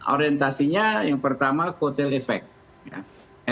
orientasinya yang pertama quote unquote bidding nya cawapres